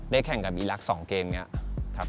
ได้แข่งกับอีลักษณ์๒เกมเนี่ยครับ